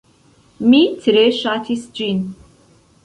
Mi tre ŝatis ĝin